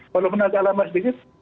kalau menandatangani alamat sedikit